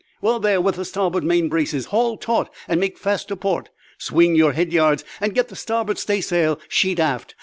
Well there with the starboard main braces; haul taut and make fast to port; swing your head yards; and get the starboard staysail sheet aft.